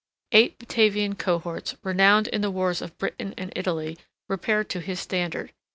Eight Batavian cohorts renowned in the wars of Britain and Italy, repaired to his standard.